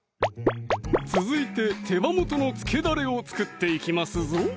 続いて手羽元の漬けだれを作っていきますぞ